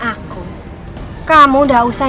aku kamu enggak usah